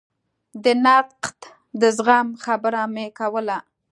د نقد د زغم خبره مې کوله.